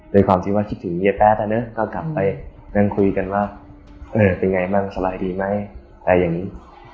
ด้วยความที่ว่าคิดถึงเย้แป๊ดอ่ะเนอะก็กลับไปนั่งคุยกันว่าเออเป็นไงบ้างสบายดีไหมอะไรอย่างนี้